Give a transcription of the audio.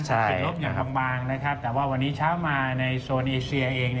เป็นลบอย่างบางนะครับแต่ว่าวันนี้เช้ามาในโซนเอเชียเอง